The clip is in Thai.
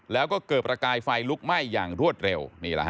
แล้วก็เกิดประกายไฟลุกไหม้อย่างรวดเร็ว